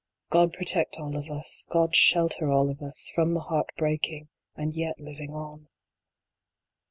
God protect all of us God shelter all of us From the heart breaking, and yet living on